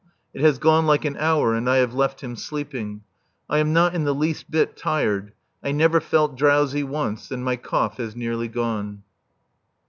It has gone like an hour and I have left him sleeping. I am not in the least bit tired; I never felt drowsy once, and my cough has nearly gone.